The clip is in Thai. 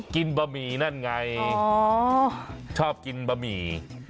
บะหมี่นั่นไงชอบกินบะหมี่